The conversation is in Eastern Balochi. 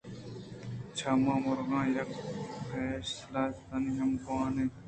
چمے مُرغاں یک پیپلستانے ہم گون اَت